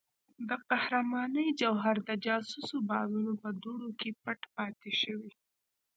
د قهرمانۍ جوهر د جاسوسو بادونو په دوړو کې پټ پاتې شوی.